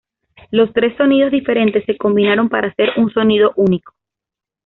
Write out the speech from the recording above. Los tres sonidos diferentes se combinaron para hacer un sonido único.